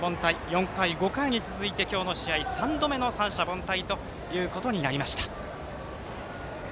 ４回、５回に続いて、今日の試合３度目の三者凡退ということになりました。